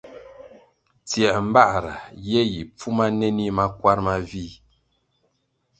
Tsiē mbāra ye yi pfuma nenih makwar mavih,